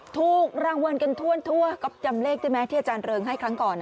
ถูกรางวัลกันทั่วก๊อปจำเลขได้ไหมที่อาจารย์เริงให้ครั้งก่อน